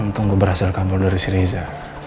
untung gue berhasil kabel dari si reza